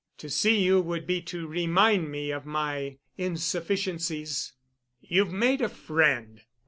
To see you would be to remind me of my insufficiencies." "You've made a friend."